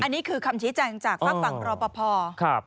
อันนี้คือคำชี้แจงจากฝากฝั่งรอปภ